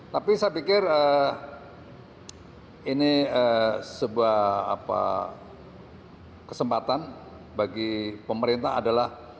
tapi saya pikir ini sebuah kesempatan bagi pemerintah adalah